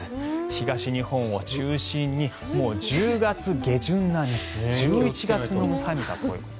東日本を中心にもう１０月下旬並み１１月並みの寒さと。